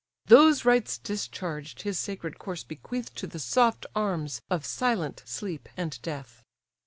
Those rites discharged, his sacred corse bequeath To the soft arms of silent Sleep and Death.